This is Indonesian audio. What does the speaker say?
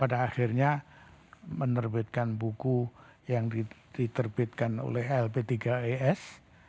pada akhirnya menerbitkan buku yang diterbitkan oleh lp tiga es